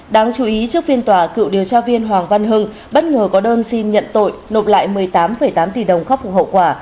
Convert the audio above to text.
đáng chú ý trước phiên tòa cựu điều tra viên hoàng văn hưng bất ngờ có đơn xin nhận tội nộp lại một mươi tám tám tỷ đồng khóc phục hậu quả